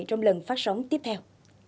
trong lần phát sóng tiếp theo